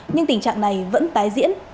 nhưng tình trạng này vẫn tái diễn